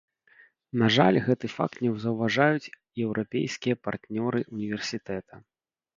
На жаль, гэты факт не заўважаюць еўрапейскія партнёры ўніверсітэта.